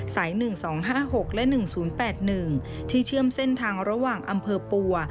๑๒๕๖และ๑๐๘๑ที่เชื่อมเส้นทางระหว่างอำเภอปัว